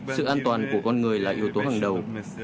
sự an toàn của con người là yếu tố hàng đầu